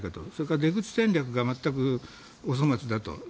それから出口戦略が全くお粗末だと。